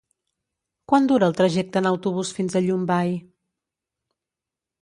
Quant dura el trajecte en autobús fins a Llombai?